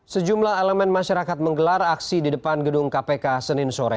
sejumlah elemen masyarakat menggelar aksi di depan gedung kpk senin sore